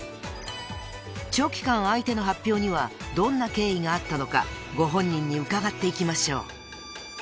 ［長期間空いての発表にはどんな経緯があったのかご本人に伺っていきましょう］